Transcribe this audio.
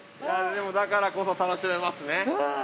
◆だからこそ楽しめますね。